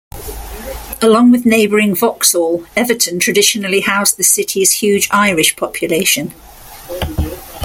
Along with neighbouring Vauxhall, Everton traditionally housed the city's huge Irish population.